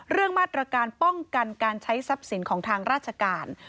เรื่องมาตรการป้องกันการใช้ทรัพย์สินของทางราชการ